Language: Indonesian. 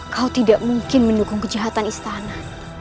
kau tidak mungkin mendukung kejahatan istana